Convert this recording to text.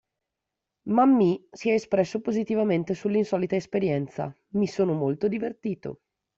Mammì si è espresso positivamente sull'insolita esperienza: "Mi sono molto divertito.